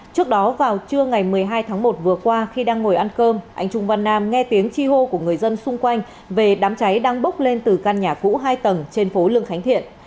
trước đó vào trưa ngày một mươi hai tháng một vừa qua khi đang ngồi ăn cơm anh trung văn nam nghe tiếng chi hô của người dân xung quanh về đám cháy đang bốc lên từ căn nhà cũ hai tầng trên phố lương khánh thiện